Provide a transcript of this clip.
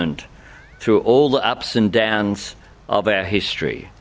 perjuangan yang monstral yang kita hadapi